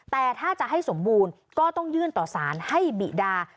แต่ถ้าจะให้สมบูรณ์ก็ต้องยื่นต่อสารให้บิดา